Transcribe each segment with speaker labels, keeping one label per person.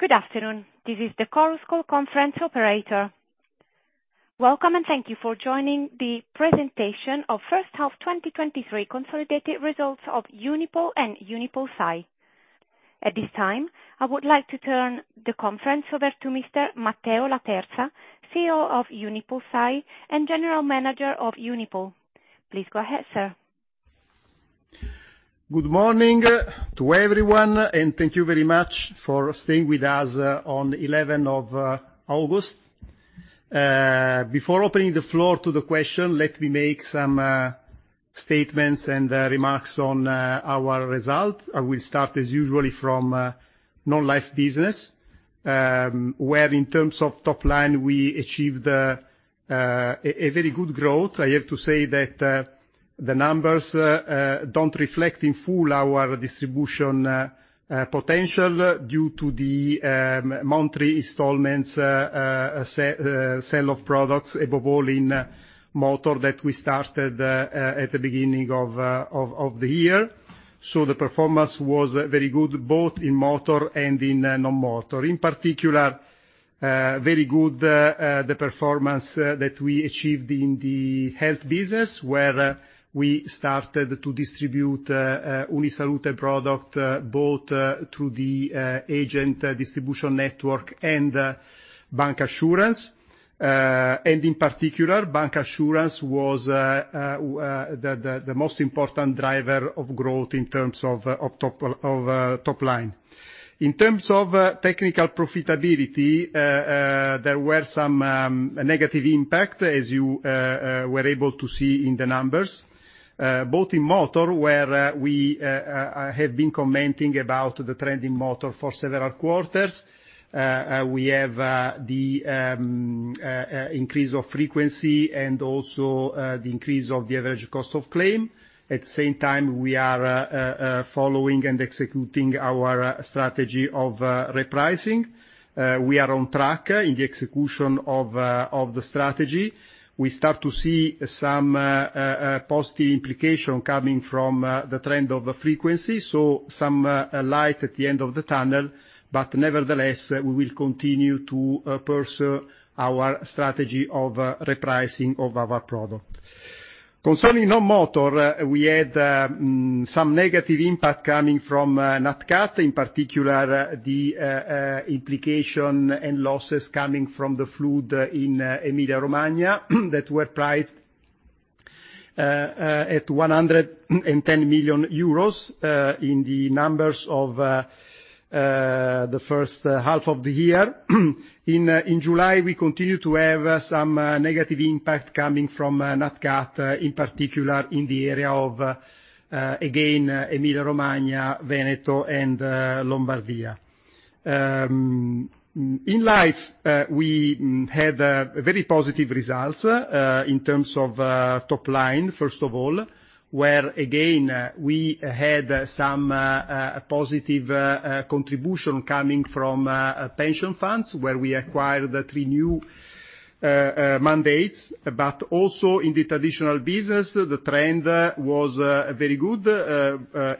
Speaker 1: Good afternoon, this is the Chorus Call Conference operator. Welcome, and thank you for joining the presentation of first half 2023 consolidated results of Unipol and UnipolSai. At this time, I would like to turn the conference over to Mr. Matteo Laterza, CEO of UnipolSai and General Manager of Unipol. Please go ahead, sir.
Speaker 2: Good morning to everyone, thank you very much for staying with us, on the 11th of August. Before opening the floor to the question, let me make some statements and remarks on our results. I will start, as usually, from non-life business, where in terms of top line, we achieved a very good growth. I have to say that the numbers don't reflect in full our distribution potential, due to the monthly installments sale of products, above all in motor, that we started at the beginning of the year. The performance was very good, both in motor and in non-motor. In particular, very good the performance that we achieved in the health business, where we started to distribute UniSalute product, both through the agent distribution network and bancassurance. In particular, bancassurance was the most important driver of growth in terms of of top, of top line. In terms of technical profitability, there were some negative impact, as you were able to see in the numbers. Both in motor, where we have been commenting about the trend in motor for several quarters. We have the increase of frequency and also the increase of the average cost of claim. At the same time, we are following and executing our strategy of repricing. We are on track in the execution of the strategy. We start to see some positive implication coming from the trend of the frequency, so some light at the end of the tunnel. Nevertheless, we will continue to pursue our strategy of repricing of our product. Concerning non-motor, we had some negative impact coming from nat cat, in particular, the implication and losses coming from the flood in Emilia-Romagna, that were priced at 110 million euros in the numbers of the first half of the year. In July, we continued to have some negative impact coming from nat cat, in particular in the area of, again, Emilia-Romagna, Veneto, and Lombardia. In Life, we had very positive results in terms of top line, first of all, where again, we had some positive contribution coming from pension funds, where we acquired the three new mandates, but also in the traditional business, the trend was very good,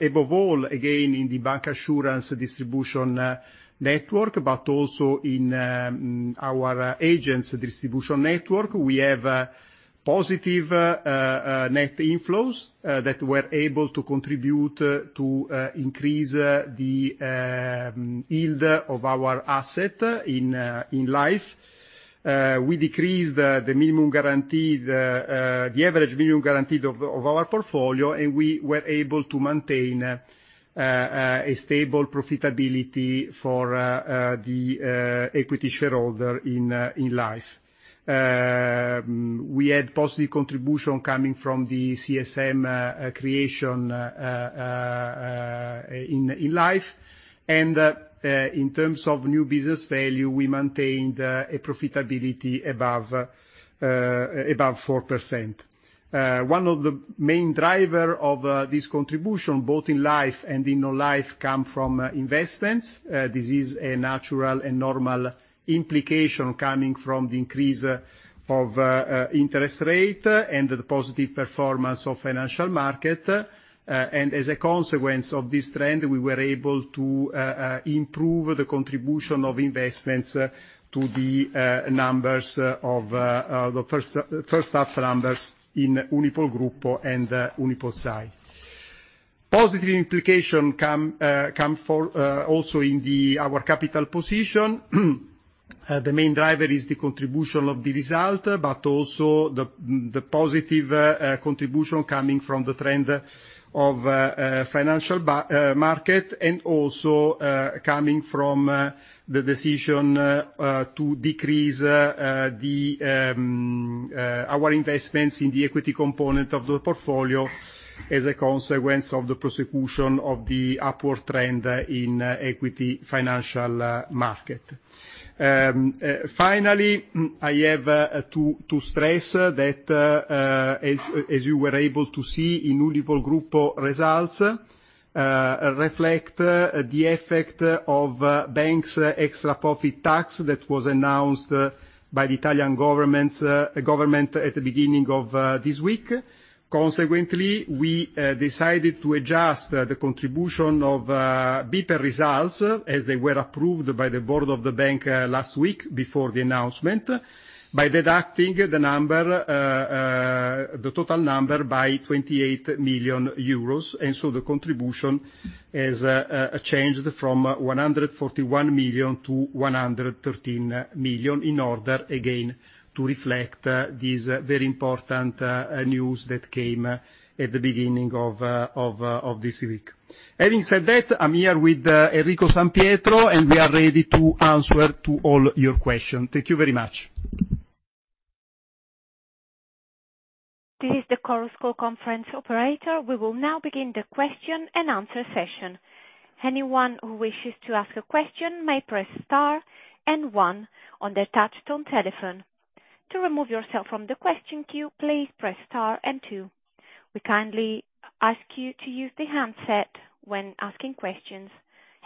Speaker 2: above all, again, in the bancassurance distribution network, but also in our agents distribution network. We have positive net inflows that were able to contribute to increase the yield of our asset in Life. We decreased the minimum guarantee, the average minimum guarantee of our portfolio, and we were able to maintain a stable profitability for the equity shareholder in Life. We had positive contribution coming from the CSM creation in Life. In terms of new business value, we maintained a profitability above 4%. One of the main driver of this contribution, both in Life and in non-life, come from investments. This is a natural and normal implication coming from the increase of interest rate and the positive performance of financial market. As a consequence of this trend, we were able to improve the contribution of investments to the numbers of the first half numbers in Unipol Gruppo and UnipolSai. Positive implication come for also in Our capital position. The main driver is the contribution of the result, but also the, the positive contribution coming from the trend of financial market, and also coming from the decision to decrease the our investments in the equity component of the portfolio as a consequence of the prosecution of the upward trend in equity financial market. Finally, I have to, to stress that as, as you were able to see in Unipol Gruppo results, reflect the effect of banks extra profit tax that was announced by the Italian government government at the beginning of this week. Consequently, we decided to adjust the contribution of better results, as they were approved by the board of the bank last week, before the announcement, by deducting the total number by 28 million euros. The contribution has changed from 141 million-113 million, in order, again, to reflect this very important news that came at the beginning of this week. Having said that, I'm here with Enrico San Pietro, and we are ready to answer to all your questions. Thank you very much.
Speaker 1: This is the Chorus Call conference operator. We will now begin the question and answer session. Anyone who wishes to ask a question may press star and one on their touch tone telephone. To remove yourself from the question queue, please press star and two. We kindly ask you to use the handset when asking questions.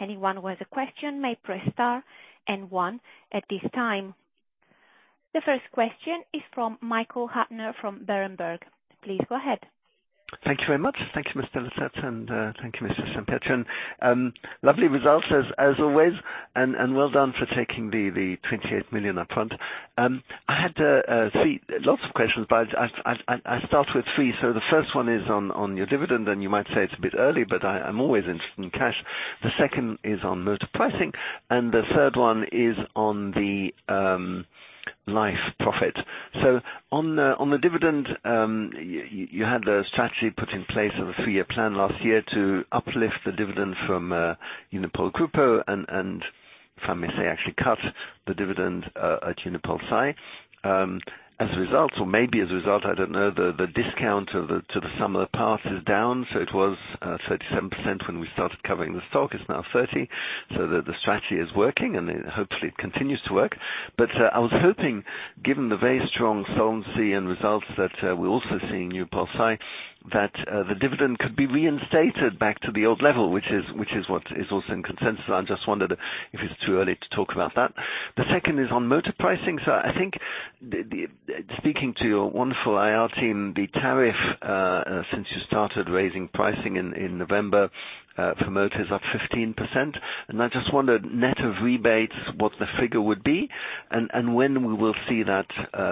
Speaker 1: Anyone who has a question may press star and one at this time. The first question is from Michael Huttner from Berenberg. Please go ahead.
Speaker 3: Thank you very much. Thank you, Mr. Laterza, thank you, Mr. San Pietro. Lovely results as always, and well done for taking the 28 million up front. I had three lots of questions, but I'll start with three. The first one is on your dividend, and you might say it's a bit early, but I'm always interested in cash. The second is on motor pricing, and the third one is on the life profit. On the dividend, you had a strategy put in place of a three-year plan last year to uplift the dividend from Unipol Gruppo and if I may say, actually cut the dividend at UnipolSai. As a result, or maybe as a result, I don't know, the, the discount to the sum of the parts is down, so it was 37% when we started covering the stock. It's now 30, the, the strategy is working, and hopefully it continues to work. I was hoping, given the very strong Solvency and results that we're also seeing in UnipolSai, that the dividend could be reinstated back to the old level, which is, which is what is also in consensus. I just wondered if it's too early to talk about that. The second is on motor pricing. I think the, the, speaking to your wonderful IR team, the tariff, since you started raising pricing in, in November, for motor is up 15%. I just wondered, net of rebates, what the figure would be? When we will see that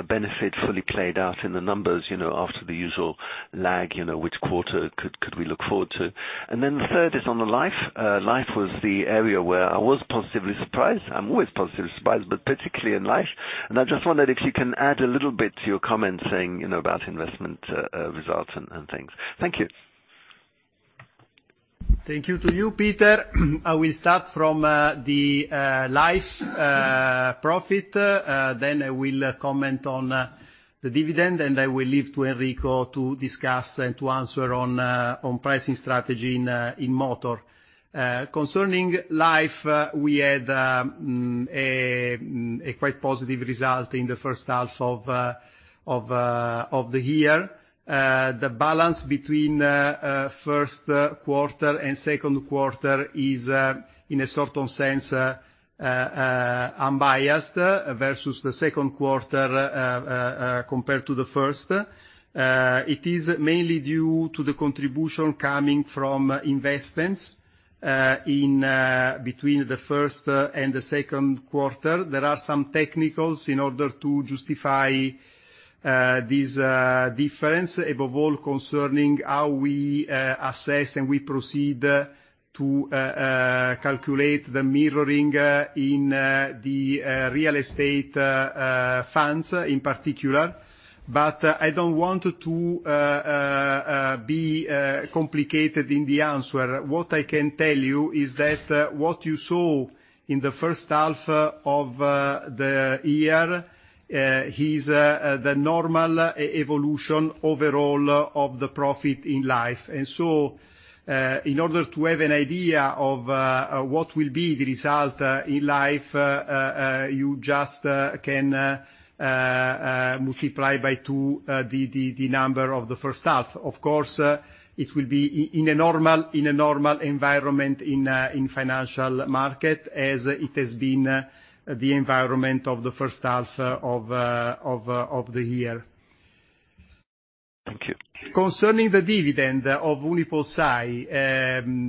Speaker 3: benefit fully played out in the numbers, you know, after the usual lag, you know, which quarter could we look forward to? Then the third is on the life. Life was the area where I was positively surprised. I'm always positively surprised, but particularly in life. I just wondered if you can add a little bit to your comment saying, you know, about investment results and things. Thank you.
Speaker 2: Thank you to you, Peter. I will start from the life profit, then I will comment on the dividend, I will leave to Enrico to discuss and to answer on on pricing strategy in in Motor. Concerning life, we had a quite positive result in the first half of the year. The balance between first quarter and second quarter is in a certain sense unbiased, versus the second quarter compared to the first. It is mainly due to the contribution coming from investments in between the first and the second quarter. There are some technicals in order to justify this difference, above all, concerning how we assess, and we proceed to calculate the mirroring in the real estate funds in particular. I don't want to be complicated in the answer. What I can tell you is that what you saw in the first half of the year is the normal e-evolution overall of the profit in life. In order to have an idea of what will be the result in life, you just can multiply by 2 the, the, the number of the first half. Of course, it will be in a normal, in a normal environment, in, in financial market, as it has been, the environment of the first half of, of, of the year.
Speaker 3: Thank you.
Speaker 2: Concerning the dividend of UnipolSai,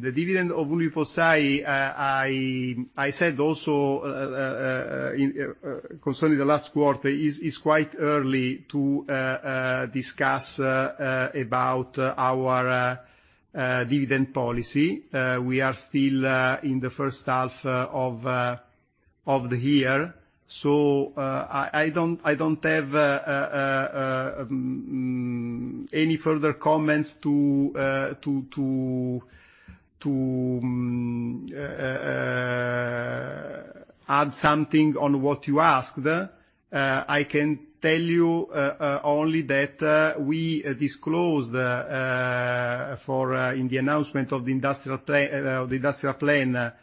Speaker 2: the dividend of UnipolSai, I, I said, also, concerning the last quarter, is, is quite early to discuss about our dividend policy. We are still in the first half of the year, so, I, I don't, I don't have any further comments to add something on what you asked. I can tell you only that we disclosed for in the announcement of the industrial plan, the industrial plan,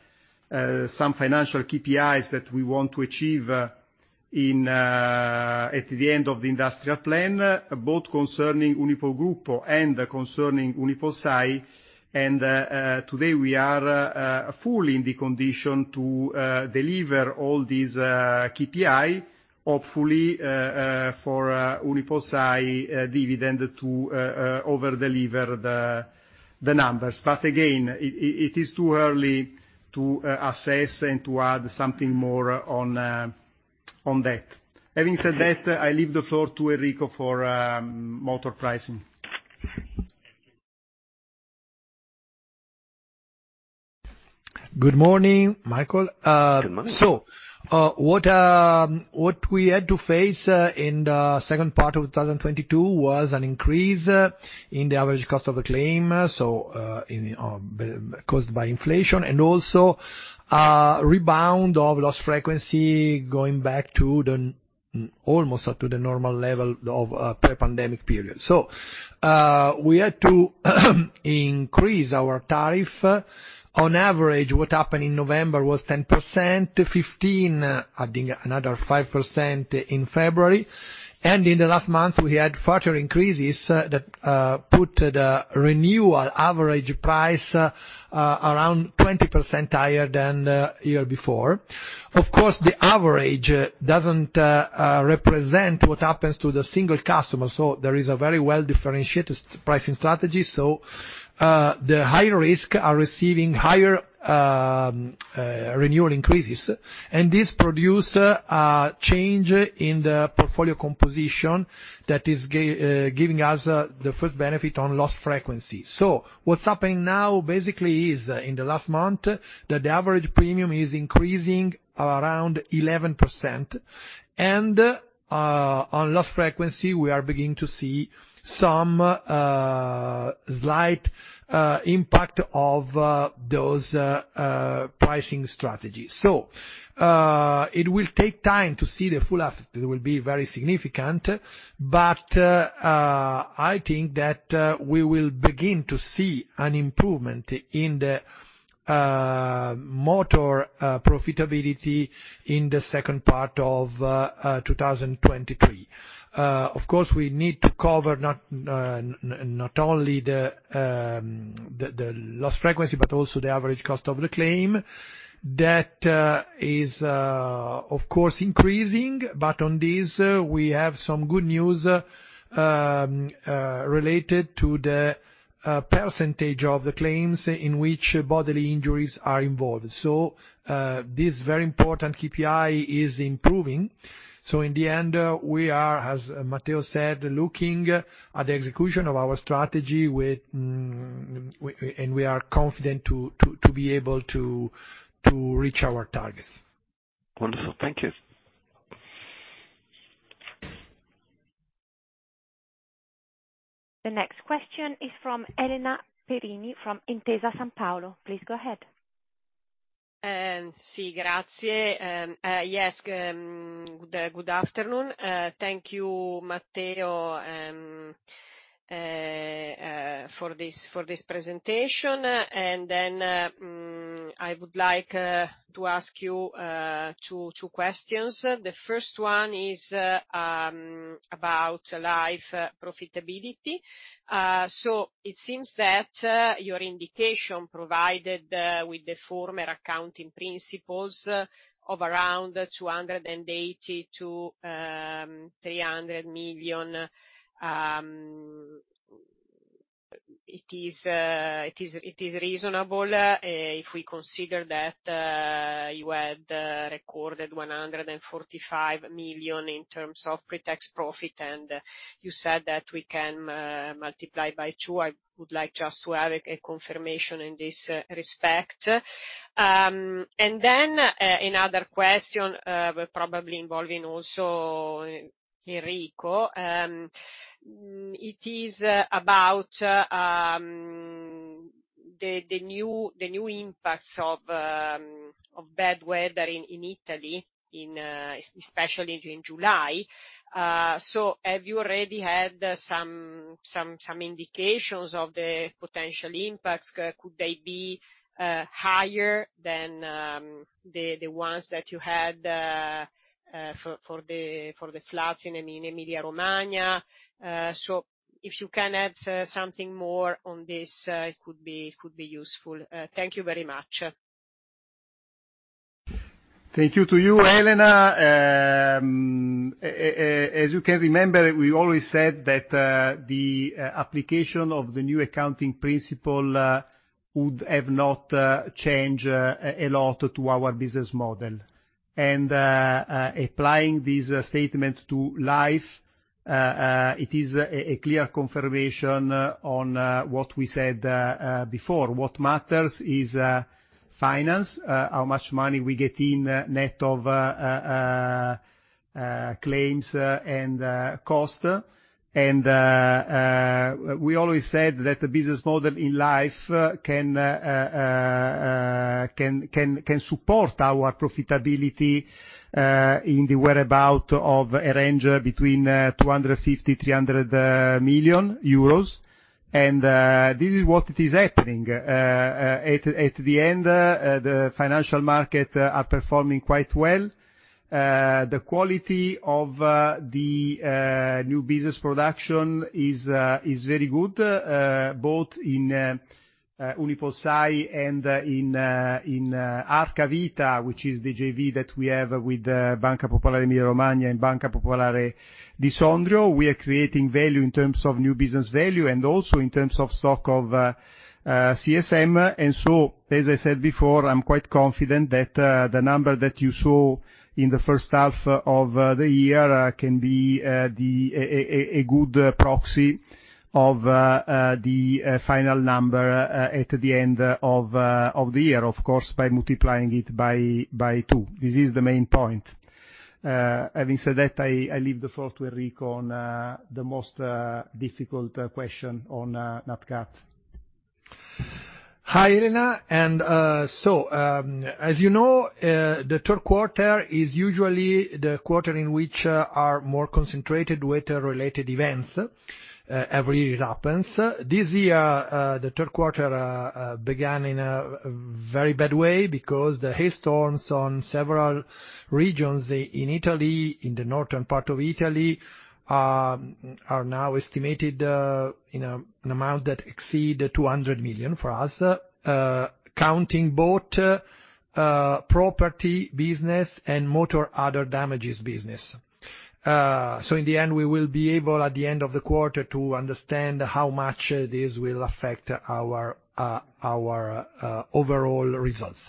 Speaker 2: some financial KPIs that we want to achieve in at the end of the industrial plan, both concerning Unipol Gruppo and concerning UnipolSai. Today we are fully in the condition to deliver all these KPI, hopefully for UnipolSai dividend to over-deliver the numbers. Again, it is too early to assess and to add something more on that. Having said that, I leave the floor to Enrico for motor pricing.
Speaker 4: Good morning, Michael.
Speaker 3: Good morning.
Speaker 4: What, what we had to face in the second part of 2022 was an increase in the average cost of the claim, so, in, caused by inflation, and also, rebound of loss frequency going back to the, almost up to the normal level of pre-pandemic period. We had to increase our tariff. On average, what happened in November was 10%, 15, adding another 5% in February, and in the last months, we had further increases that put the renewal average price around 20% higher than the year before. Of course, the average doesn't represent what happens to the single customer, so there is a very well-differentiated pricing strategy, so, the high risk are receiving higher, renewal increases. This produce a change in the portfolio composition that is giving us the first benefit on loss frequency. What's happening now, basically, is, in the last month, that the average premium is increasing around 11%, and on loss frequency, we are beginning to see some slight impact of those pricing strategies. It will take time to see the full effect. It will be very significant, but I think that we will begin to see an improvement in the motor profitability in the second part of 2023. Of course, we need to cover not only the loss frequency, but also the average cost of the claim. That is of course, increasing, but on this, we have some good news related to the percentage of the claims in which bodily injuries are involved. This very important KPI is improving. In the end, we are, as Matteo said, looking at the execution of our strategy with and we are confident to, to, to be able to, to reach our targets.
Speaker 3: Wonderful. Thank you.
Speaker 1: The next question is from Elena Perini, from Intesa Sanpaolo. Please go ahead.
Speaker 5: Si, grazie. Yes, good afternoon. Thank you, Matteo, for this, for this presentation. I would like to ask you 2, 2 questions. The first one is about Life profitability. It seems that your indication provided with the former accounting principles of around EUR 280 million-EUR 300 million... It is, it is, it is reasonable, if we consider that you had recorded 145 million in terms of pre-tax profit, and you said that we can multiply by 2. I would like just to have a, a confirmation in this respect. Then, another question, but probably involving also Enrico, it is about the new, the new impacts of bad weather in Italy, especially in July. Have you already had some, some, some indications of the potential impacts? Could, could they be higher than the ones that you had for the floods in Emilia-Romagna? If you can add something more on this, it could be, could be useful. Thank you very much.
Speaker 2: Thank you to you, Elena. As you can remember, we always said that the application of the new accounting principle would have not changed a lot to our business model. Applying this statement to Life, it is a clear confirmation on what we said before. What matters is finance, how much money we get in, net of claims and cost. We always said that the business model in Life can support our profitability in the whereabouts of a range between 250 million euros and EUR 300 million, and this is what it is happening. At the end, the financial market are performing quite well. The quality of the new business production is very good, both in UnipolSai and in Arca Vita, which is the JV that we have with Banca Popolare dell'Emilia Romagna and Banca Popolare di Sondrio. We are creating value in terms of New Business Value and also in terms of stock of CSM. So, as I said before, I'm quite confident that the number that you saw in the first half of the year can be a good proxy of the final number at the end of the year, of course, by multiplying it by 2. This is the main point. Having said that, I leave the floor to Enrico on the most difficult question on Nat Cat. Hi, Elena. As you know, the third quarter is usually the quarter in which are more concentrated weather-related events. Every year it happens. This year, the third quarter began in a very bad way because the hailstorms on several regions in Italy, in the northern part of Italy, are now estimated in an amount that exceed 200 million for us, counting both property business and Motor Other Damages business. In the end, we will be able, at the end of the quarter, to understand how much this will affect our overall results.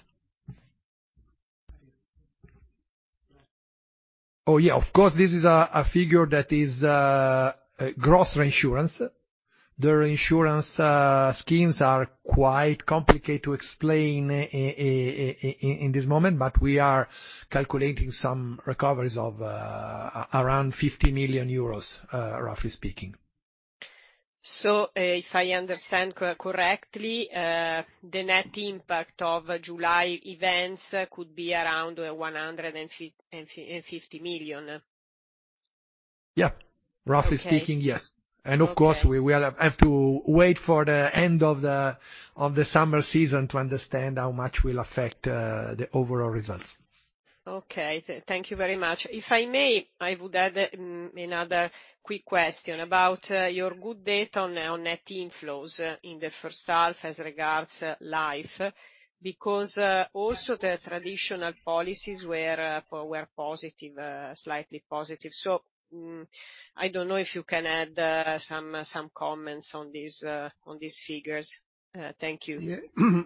Speaker 2: Oh, yeah, of course, this is a figure that is gross reinsurance. The reinsurance schemes are quite complicated to explain in this moment, but we are calculating some recoveries of around 50 million euros, roughly speaking.
Speaker 5: If I understand correctly, the net impact of July events could be around 150 million?
Speaker 2: Yeah.
Speaker 5: Okay.
Speaker 2: Roughly speaking, yes.
Speaker 5: Okay.
Speaker 2: Of course, we will have to wait for the end of the, of the summer season to understand how much will affect the overall results.
Speaker 5: Okay. Thank you very much. If I may, I would add another quick question about your good data on net inflows in the first half as regards life, because also the traditional policies were positive, slightly positive. I don't know if you can add some comments on these on these figures? Thank you.
Speaker 2: Yeah.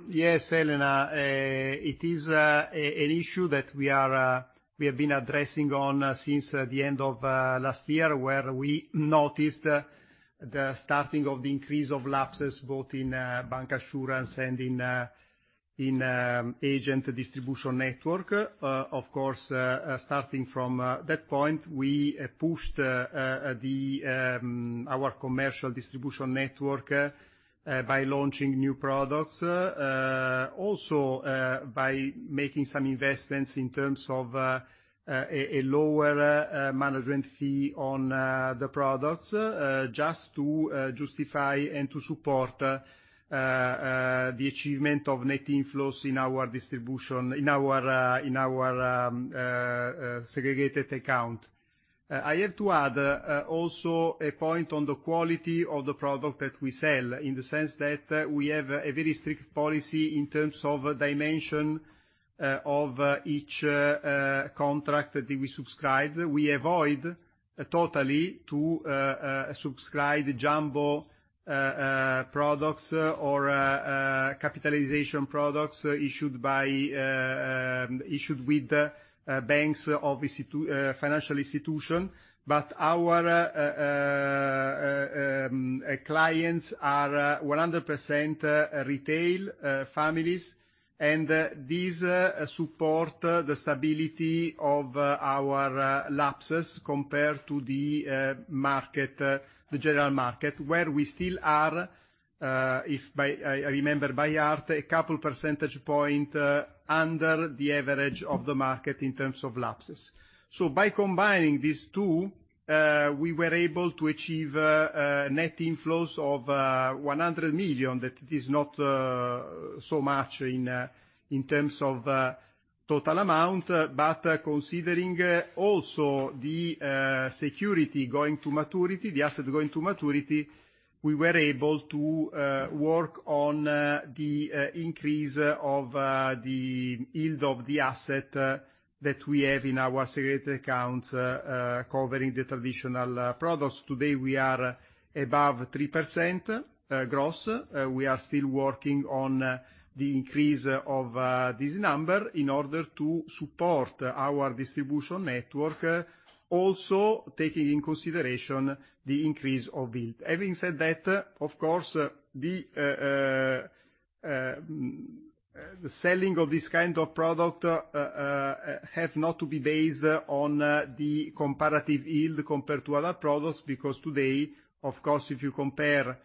Speaker 2: Yes, Elena, it is an issue that we are, we have been addressing on since the end of last year, where we noticed the starting of the increase of lapses, both in bancassurance and in agent distribution network. Of course, starting from that point, we pushed the our commercial distribution network by launching new products, also by making some investments in terms of a lower management fee on the products, just to justify and to support the achievement of net inflows in our distribution, in our in our segregated account. I have to add also a point on the quality of the product that we sell, in the sense that we have a very strict policy in terms of dimension of each contract that we subscribe. We avoid totally to subscribe jumbo products or capitalization products issued by, issued with banks, obviously, to financial institution. But our clients are 100% retail families, and these support the stability of our lapses compared to the market, the general market, where we still are, if by, I, I remember by heart, a couple percentage point under the average of the market in terms of lapses. By combining these two, we were able to achieve a net inflows of 100 million, that it is not so much in terms of total amount, but considering also the security going to maturity, the assets going to maturity, we were able to work on the increase of the yield of the asset that we have in our segregated accounts, covering the traditional products. Today, we are above 3% gross. We are still working on the increase of this number in order to support our distribution network, also taking in consideration the increase of yield. Having said that, of course, the, the selling of this kind of product, have not to be based on, the comparative yield compared to other products, because today, of course, if you compare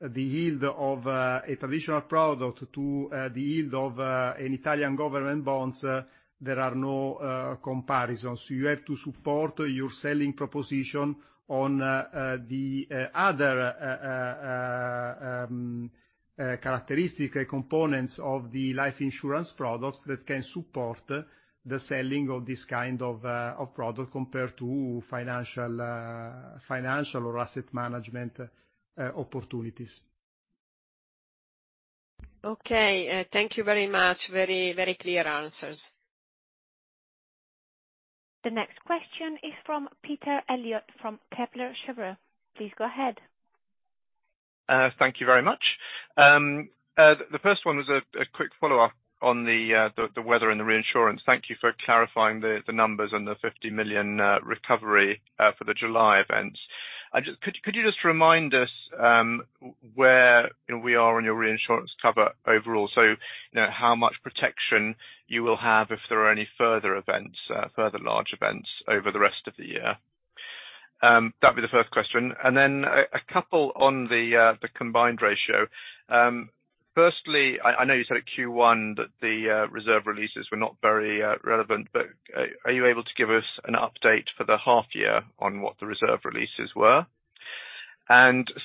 Speaker 2: the yield of, a traditional product to, the yield of, an Italian government bonds, there are no comparisons. You have to support your selling proposition on, the other characteristic components of the life insurance products that can support the selling of this kind of product compared to financial or asset management opportunities.
Speaker 5: Okay. Thank you very much. Very, very clear answers.
Speaker 1: The next question is from Peter Eliot from Kepler Cheuvreux. Please go ahead.
Speaker 6: Thank you very much. The first one was a, a quick follow-up on the, the weather and the reinsurance. Thank you for clarifying the, the numbers and the 50 million recovery for the July event. I just... Could, could you just remind us, w-where we are on your reinsurance cover overall? So, you know, how much protection you will have if there are any further events, further large events over the rest of the year? That'd be the first question. Then a, a couple on the combined ratio. Firstly, I, I know you said at Q1 that the reserve releases were not very relevant, but are you able to give us an update for the half year on what the reserve releases were?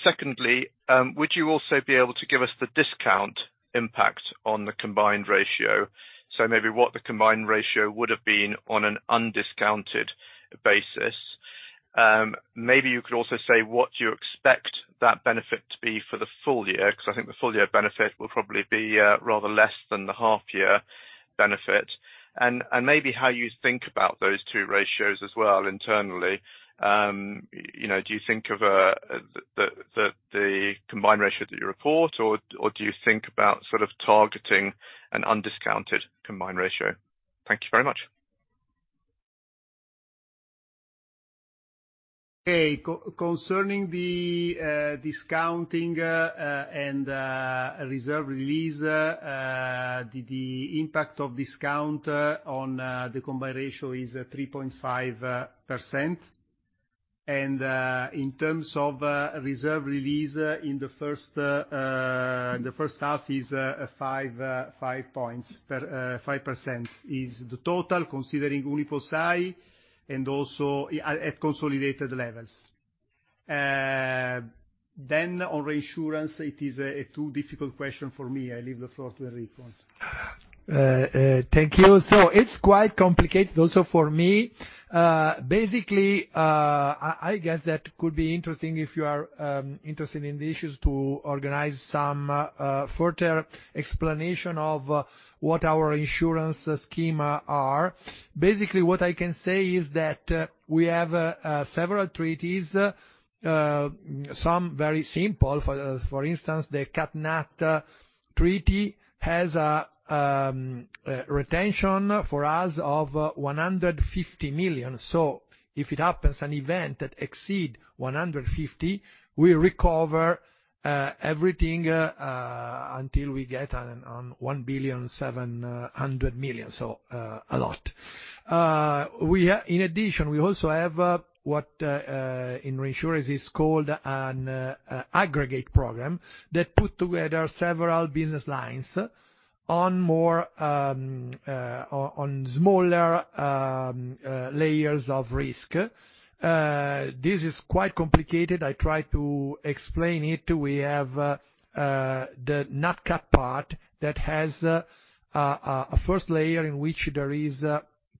Speaker 6: Secondly, would you also be able to give us the discount impact on the combined ratio? Maybe what the combined ratio would have been on an undiscounted basis. Maybe you could also say what you expect that benefit to be for the full year, because I think the full year benefit will probably be rather less than the half year benefit, and, and maybe how you think about those two ratios as well internally. You know, do you think of the, the, the combined ratio that you report, or, or do you think about sort of targeting an undiscounted combined ratio? Thank you very much.
Speaker 2: Hey, concerning the discounting and reserve release, the impact of discount on the combined ratio is 3.5%. In terms of reserve release in the first half is 5, 5 points per 5% is the total, considering UnipolSai, and also at consolidated levels. On reinsurance, it is a too difficult question for me. I leave the floor to Enrico.
Speaker 4: Thank you. It's quite complicated also for me. Basically, I guess that could be interesting if you are interested in the issues to organize some further explanation of what our insurance scheme are. Basically, what I can say is that we have several treaties, some very simple. For instance, the Cat Nat treaty has a retention for us of 150 million. If it happens an event that exceed 150, we recover everything until we get on 1.7 billion. A lot. We have... In addition, we also have what in reinsurance is called an aggregate program that put together several business lines on more on smaller layers of risk. This is quite complicated. I try to explain it. We have the Nat Cat part that has a first layer in which there is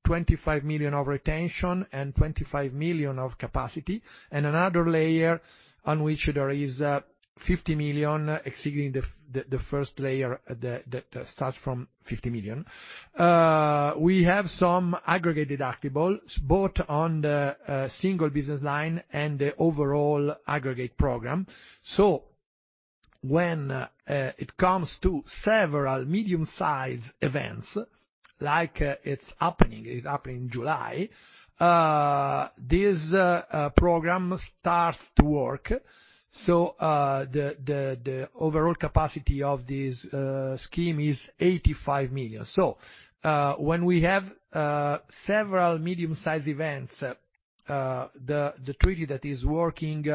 Speaker 4: 25 million of retention and 25 million of capacity, and another layer on which there is 50 million exceeding the first layer that starts from 50 million. We have some aggregate deductibles, both on the single business line and the overall aggregate program. When it comes to several medium-sized events, like it's happening, it happened in July, this program starts to work. The overall capacity of this scheme is 85 million. When we have several medium-sized events, the treaty that is working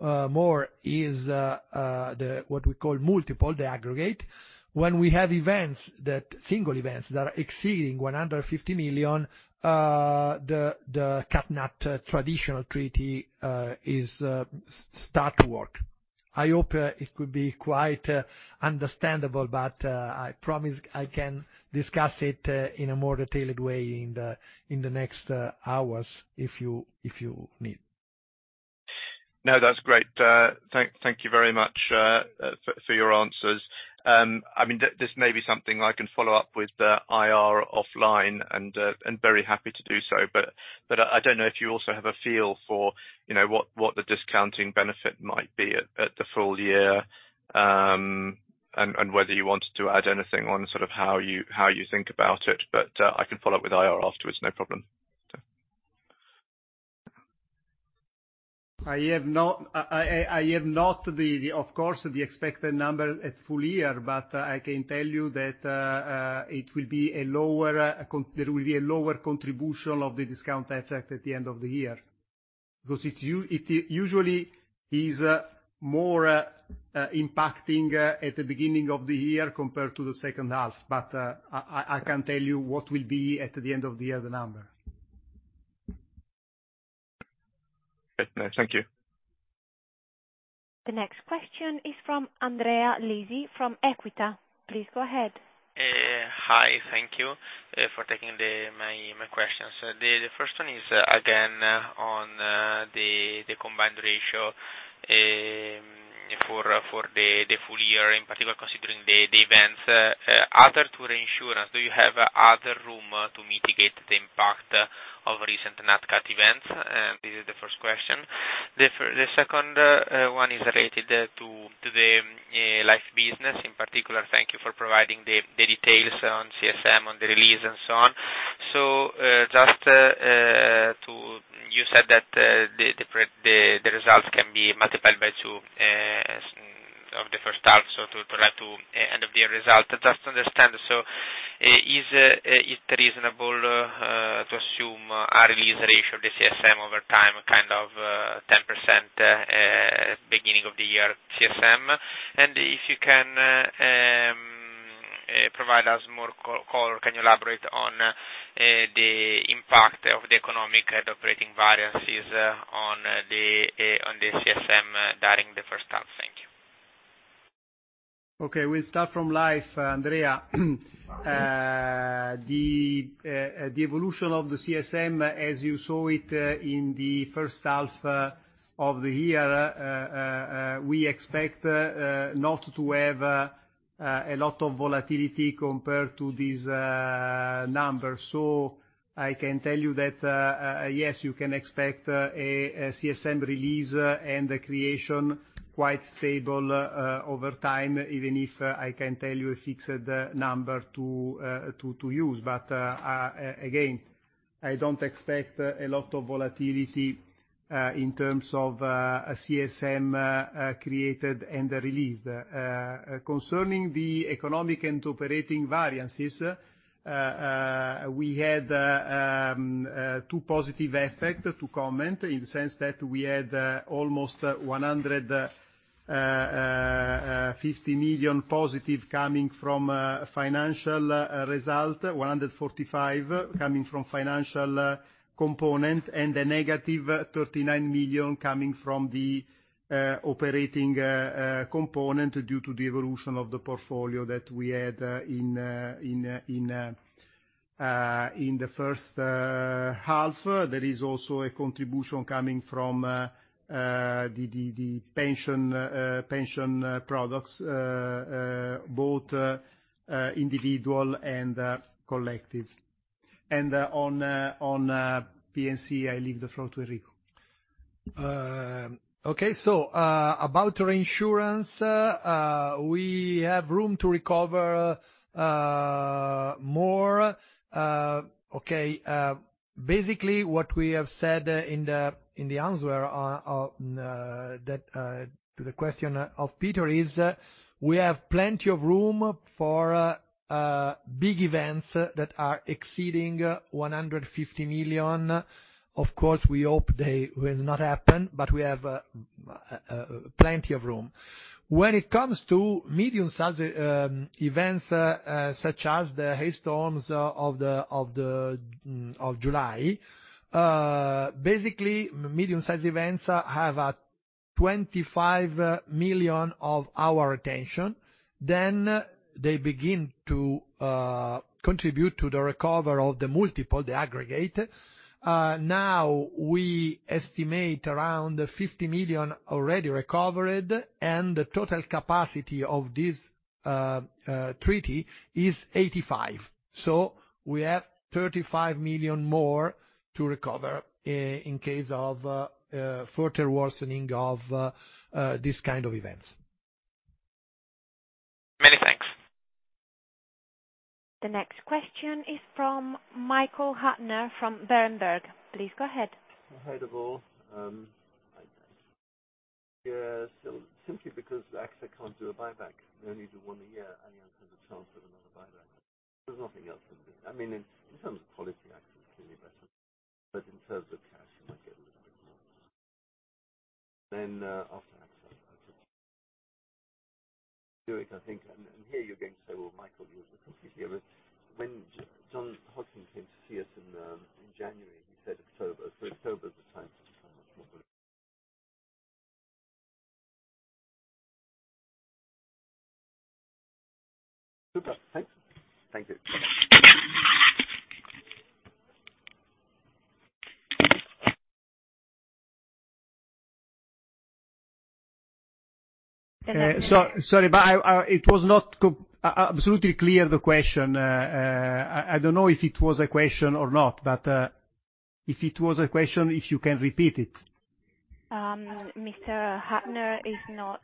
Speaker 4: more is the, what we call multiple, the aggregate. When we have events that, single events that are exceeding 150 million, the Cat Nat traditional treaty is start to work. I hope it could be quite understandable, but, I promise I can discuss it, in a more detailed way in the, in the next, hours, if you, if you need.
Speaker 6: No, that's great. Thank you very much for your answers. I mean, this may be something I can follow up with the IR offline, and very happy to do so. I don't know if you also have a feel for, you know, what the discounting benefit might be at the full year, and whether you want to add anything on sort of how you how you think about it, but I can follow up with IR afterwards, no problem.
Speaker 2: I have not... I have not the, of course, the expected number at full year, but I can tell you that there will be a lower contribution of the discount effect at the end of the year, because it usually is more impacting at the beginning of the year compared to the second half, but I can tell you what will be at the end of the year, the number.
Speaker 6: Okay. Thank you.
Speaker 1: The next question is from Andrea Lisi, from Equita. Please go ahead.
Speaker 7: Hi, thank you for taking the, my, my questions. The first one is, again, on the combined ratio for the full year, in particular, considering the events other to reinsurance. Do you have other room to mitigate the impact of recent Nat Cat events? This is the first question. The second one is related to the life business. In particular, thank you for providing the details on CSM, on the release, and so on. Just to... You said that the results can be multiplied by 2, start, so to try to end up the result. Just to understand, is it reasonable to assume a release ratio of the CSM over time, kind of, 10%, beginning of the year CSM? If you can, provide us more color, can you elaborate on the impact of the economic and operating variances on the CSM during the first half? Thank you.
Speaker 2: Okay, we'll start from life, Andrea. The evolution of the CSM as you saw it, in the first half of the year, we expect not to have a lot of volatility compared to these numbers. I can tell you that, yes, you can expect a CSM release and a creation quite stable over time, even if I can tell you a fixed number to to use. Again, I don't expect a lot of volatility in terms of a CSM created and released. Concerning the economic and operating variances, we had two positive effects to comment, in the sense that we had almost 150 million positive coming from financial result, 145 million coming from financial component, and a negative 39 million coming from the operating component, due to the evolution of the portfolio that we had in the first half. There is also a contribution coming from the pension pension products, both individual and collective. On PNC, I leave the floor to Enrico.
Speaker 4: About reinsurance, we have room to recover more. Basically, what we have said in the answer, that, to the question of Peter is, we have plenty of room for big events that are exceeding 150 million. Of course, we hope they will not happen, but we have plenty of room. When it comes to medium-sized events, such as the hailstorms of July, basically, medium-sized events have a 25 million of our attention, then they begin to contribute to the recover of the multiple, the aggregate. We estimate around 50 million already recovered, and the total capacity of this treaty is 85 million. We have 35 million more to recover, in case of further worsening of this kind of events.
Speaker 7: Many thanks.
Speaker 1: The next question is from Michael Huttner from Berenberg. Please go ahead.
Speaker 3: Hi, to both. Yeah, simply because AXA can't do a buyback, they only do one a year, and have a chance at another buyback. There's nothing else in there. I mean, in terms of quality, AXA is clearly better, but in terms of cash, you might get a little bit more. After AXA, I think, Do it, I think, and here you're going to say, well, Michael, you are completely obvious. When John Hodgin came to see us in January, he said, October. October is the time for much longer. Good luck. Thanks. Thank you.
Speaker 2: Sorry, but I, I, it was not absolutely clear, the question. I, I don't know if it was a question or not, but if it was a question, if you can repeat it.
Speaker 1: Mr. Huttner is not,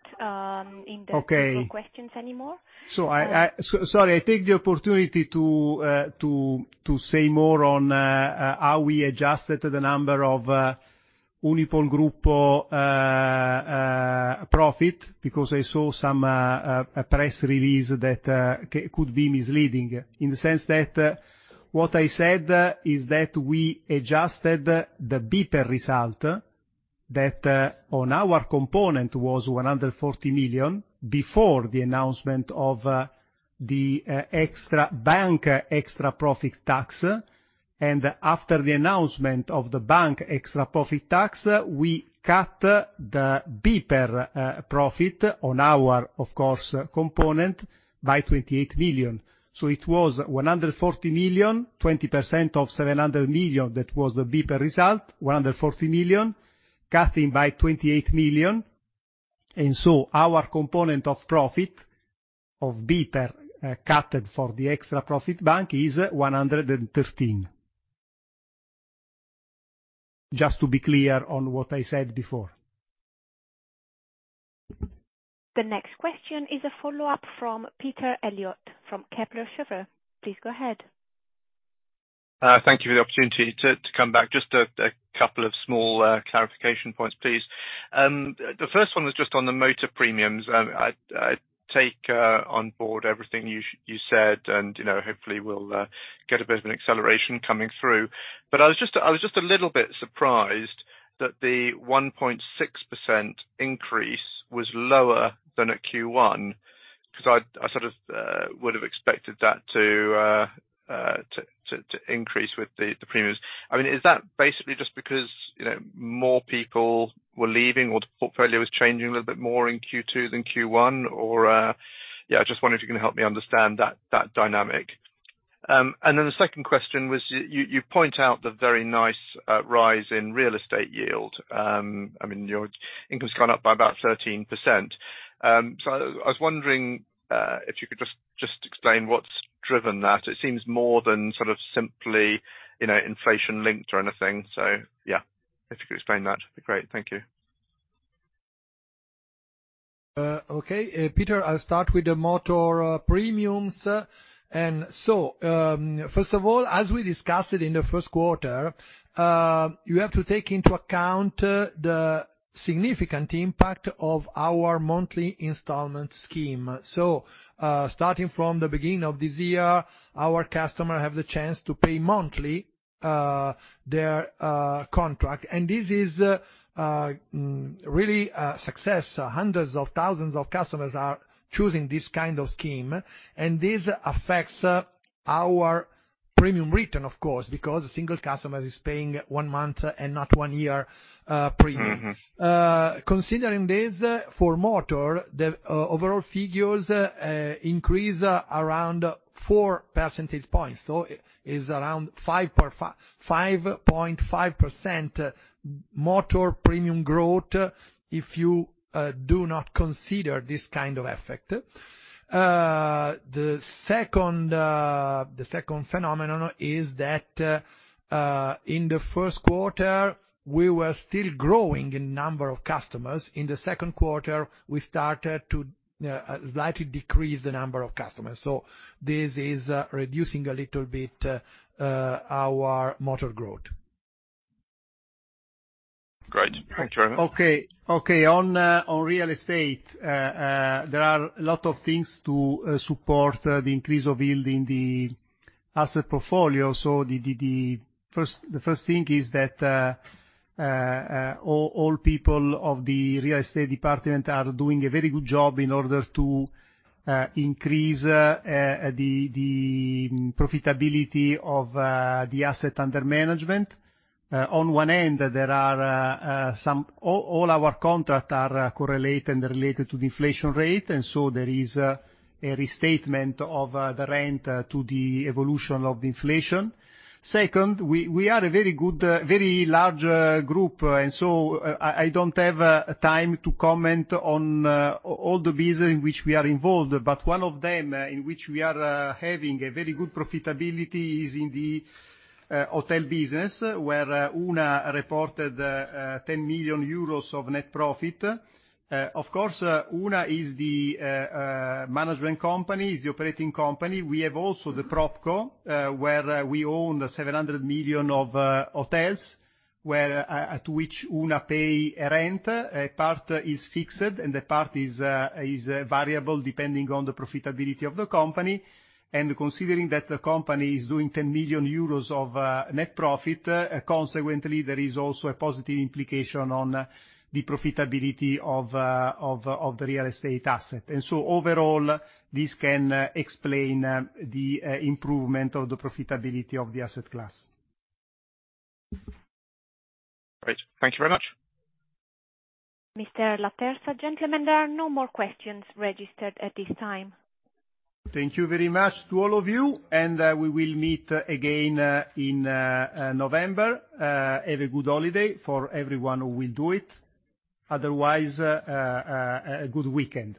Speaker 1: in the.
Speaker 2: Okay.
Speaker 1: questions anymore.
Speaker 2: Sorry, I take the opportunity to say more on how we adjusted the number of Unipol Gruppo profit, because I saw some a press release that could be misleading. In the sense that, what I said is that we adjusted the BPER result, that on our component was 140 million before the announcement of the bank extra profit tax. After the announcement of the bank extra profit tax, we cut the BPER profit on our, of course, component by 28 million. It was 140 million, 20% of 700 million, that was the BPER result, 140 million, cutting by 28 million. Our component of profit of BPER, cut for the extra profit tax is 113. Just to be clear on what I said before.
Speaker 1: The next question is a follow-up from Peter Eliot, from Kepler Cheuvreux. Please go ahead.
Speaker 6: Thank you for the opportunity to, to come back. Just a, a couple of small clarification points, please. The first one was just on the motor premiums, I, I take on board everything you said, and, you know, hopefully we'll get a bit of an acceleration coming through. I was just, I was just a little bit surprised that the 1.6% increase was lower than at Q1, 'cause I, I sort of would have expected that to, to, to increase with the, the premiums. I mean, is that basically just because, you know, more people were leaving or the portfolio was changing a little bit more in Q2 than Q1? Or? Yeah, I just wonder if you can help me understand that, that dynamic. The second question was, y- you, you point out the very nice rise in real estate yield. I mean, your income's gone up by about 13%. I, I was wondering, if you could just, just explain what's driven that. It seems more than sort of simply, you know, inflation linked or anything, so yeah. If you could explain that, great. Thank you.
Speaker 2: Okay. Peter, I'll start with the motor premiums. First of all, as we discussed it in the first quarter, you have to take into account the significant impact of our monthly installment scheme. Starting from the beginning of this year, our customer have the chance to pay monthly their contract. This is really success. Hundreds of thousands of customers are choosing this kind of scheme, and this affects our premium return, of course, because a single customer is paying 1 month and not 1 year premium.
Speaker 6: Mm-hmm.
Speaker 2: Considering this, for motor, the overall figures increase around 4 percentage points, so it is around 5.5% motor premium growth, if you do not consider this kind of effect. The second, the second phenomenon is that in the first quarter, we were still growing in number of customers. In the second quarter, we started to slightly decrease the number of customers, so this is reducing a little bit our motor growth.
Speaker 6: Great. Thank you very much.
Speaker 2: Okay, okay. On, on real estate, there are a lot of things to support the increase of yield in the asset portfolio. The first thing is that all people of the real estate department are doing a very good job in order to increase the profitability of the asset under management. On one end, there are All our contract are correlated and related to the inflation rate, there is a restatement of the rent to the evolution of the inflation. Second, we, we are a very good, very large group, so I, I don't have time to comment on all the business in which we are involved, but one of them, in which we are having a very good profitability, is in the hotel business, where Una reported 10 million euros of net profit. Of course, Una is the management company, is the operating company. We have also the PropCo, where we own 700 million of hotels, where at which Una pay a rent. A part is fixed, a part is, is variable, depending on the profitability of the company. Considering that the company is doing 10 million euros of net profit, consequently, there is also a positive implication on the profitability of of the real estate asset. Overall, this can explain the improvement of the profitability of the asset class.
Speaker 6: Great. Thank you very much.
Speaker 1: Mr. Laterza, gentlemen, there are no more questions registered at this time.
Speaker 2: Thank you very much to all of you. We will meet again in November. Have a good holiday for everyone who will do it. Otherwise, a good weekend.